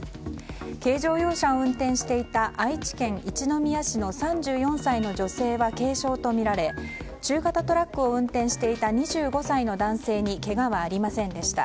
軽乗用車を運転していた愛知県一宮市の３４歳の女性は軽傷とみられ中型トラックを運転していた２５歳の男性にけがはありませんでした。